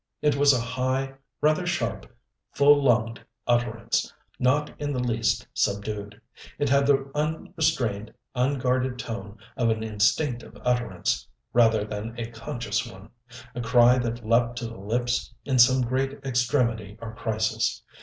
It was a high, rather sharp, full lunged utterance, not in the least subdued. It had the unrestrained, unguarded tone of an instinctive utterance, rather than a conscious one a cry that leaped to the lips in some great extremity or crisis.